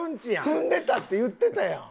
「踏んでた」って言ってたやん。